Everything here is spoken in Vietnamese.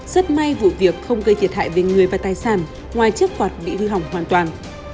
rất may vụ việc không gây thiệt hại về người và tài sản ngoài chiếc quạt bị hư hỏng hoàn toàn